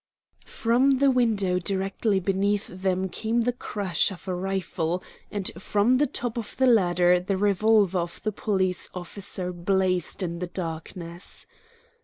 From the window directly beneath them came the crash of a rifle, and from the top of the ladder the revolver of the police officer blazed in the darkness.